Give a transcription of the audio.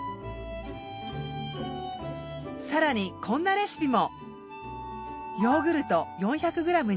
更にこんなレシピも。